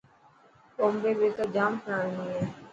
بمبي بيڪر جام پراڻي هي.